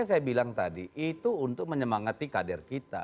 saya bilang tadi itu untuk menyemangati kader kita